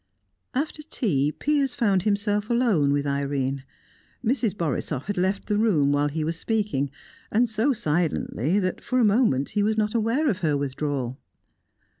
After tea, Piers found himself alone with Irene. Mrs. Borisoff had left the room whilst he was speaking, and so silently that for a moment he was not aware of her withdrawal.